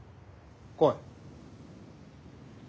来い。